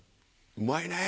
うまいね。